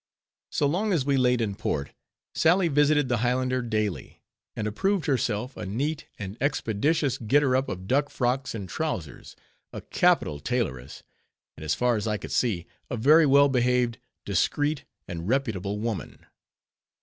So long as we laid in port, Sally visited the Highlander daily; and approved herself a neat and expeditious getter up of duck frocks and trowsers, a capital tailoress, and as far as I could see, a very well behaved, discreet, and reputable woman.